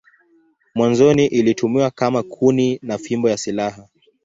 Mwanzoni ilitumiwa kama kuni na fimbo ya silaha.